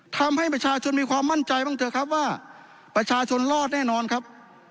ทำให้ประชาชนมีความมั่นใจบ้างเถอะครับว่าประชาชนรอดแน่นอนครับ